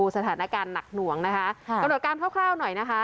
สถานการณ์หนักหน่วงนะคะกำหนดการคร่าวหน่อยนะคะ